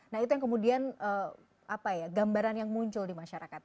nah itu yang kemudian gambaran yang muncul di masyarakat